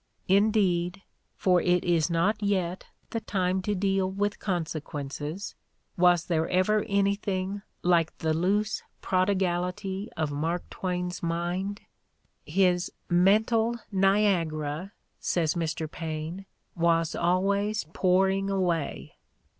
Indeed, for it is not yet the time to deal with conse quences, was there ever anything like the loose prodi gality of Mark Twain's mind? "His mental Niagara," says Mr. Paine, "was always pouring away."